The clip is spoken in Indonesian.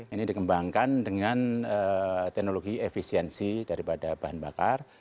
ini dikembangkan dengan teknologi efisiensi daripada bahan bakar